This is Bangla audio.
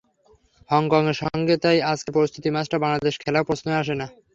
হংকংয়ের সঙ্গে তাই আজকের প্রস্তুতি ম্যাচটা বাংলাদেশ খেলার প্রশ্নই আসছে না।